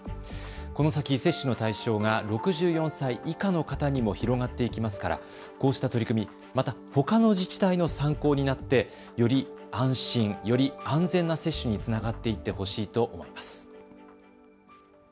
この先、接種の対象が６４歳以下の方にも広がっていきますから、こうした取り組み、またほかの自治体の参考になって、より安心より安全な接種につながっていってほしいと思います。